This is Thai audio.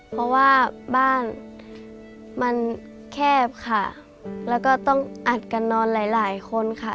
เพราะว่าบ้านมันแคบค่ะแล้วก็ต้องอัดกันนอนหลายหลายคนค่ะ